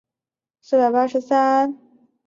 于苍梧县梨埠镇料口村以南汇入东安江。